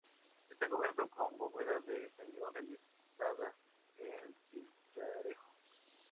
Está cubierto con bóveda de cañón, realizada en sillarejo.